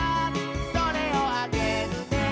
「それをあげるね」